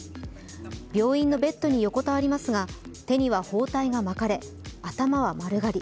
病院のベッドに横たわりますが、手には包帯が巻かれ、頭は丸刈り。